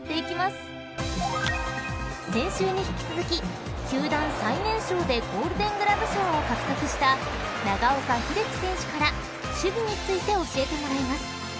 ［先週に引き続き球団最年少でゴールデン・グラブ賞を獲得した長岡秀樹選手から守備について教えてもらいます］